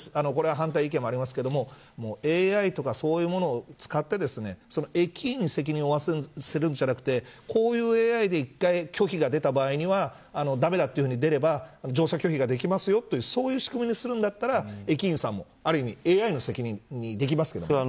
反対意見もありますがＡＩとかそういうものを使って駅員に責任を負わせるんじゃなくてこういうＡＩで１回拒否が出た場合には駄目だというふうに出れば乗車拒否ができますよとそういう仕組みにするんだったら駅員さんも、ある意味ＡＩの責任にできますからね。